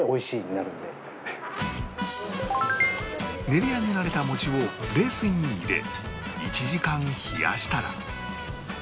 練り上げられた餅を冷水に入れ１時間冷やしたら